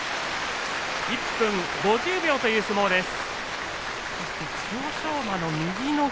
１分５０秒という相撲です。